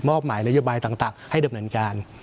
หมายนโยบายต่างให้ดำเนินการ